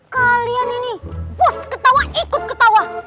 kalian ini bos ketawa ikut ketawa